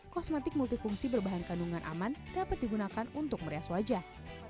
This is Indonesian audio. kosmetik multifungsi berbahan kandungan aman dapat digunakan untuk merias wajah